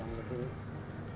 warna apa saja yang lebih